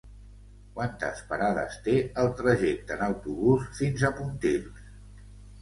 Quantes parades té el trajecte en autobús fins a Pontils?